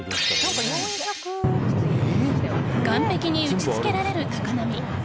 岸壁に打ちつけられる高波。